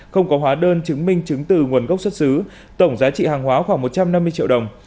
không có hóa đơn chứng minh chứng từ nguồn gốc xuất xứ tổng giá trị hàng hóa khoảng một trăm năm mươi triệu đồng